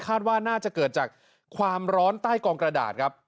ว่าน่าจะเกิดจากความร้อนใต้กองกระดาษครับ